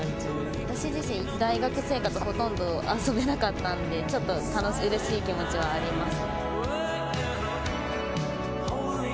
私自身、大学生活、ほとんど遊べなかったので、ちょっとうれしい気持ちはあります。